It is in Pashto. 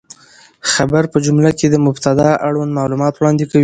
خبر په جمله کښي د مبتداء اړوند معلومات وړاندي کوي.